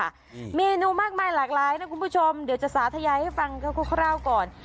อืมเมนูมากมายหลากหลายนะคุณผู้ชมเดี๋ยวจะสาธยายให้ฟังคร่าวก่อน